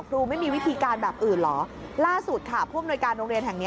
ครูไม่มีวิธีการแบบอื่นเหรอล่าสุดค่ะผู้อำนวยการโรงเรียนแห่งนี้